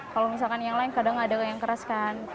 kalau misalkan yang lain kadang ada yang keras kan